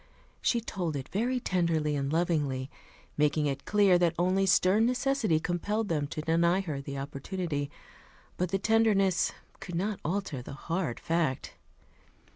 She told it very tenderly and lovingly, making it clear that only stern necessity compelled them to deny her the opportunity; but the tenderness could not alter the hard fact.